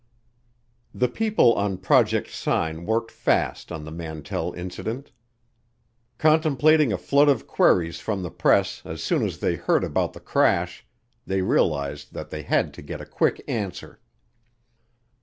The people on Project Sign worked fast on the Mantell Incident. Contemplating a flood of queries from the press as soon as they heard about the crash, they realized that they had to get a quick answer.